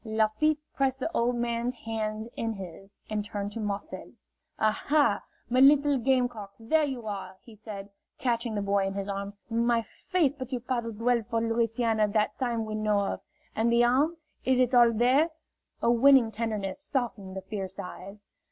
Lafitte pressed the old man's hands in his, and turned to Marcel. "Aha, my little game cock, there you are!" he said, catching the boy in his arms. "My faith, but you paddled well for Louisiana that time we know of! And the arm? Is it all there?" A winning tenderness softened the fierce eyes.